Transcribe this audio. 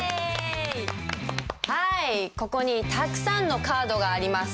ここにたくさんのカードがあります。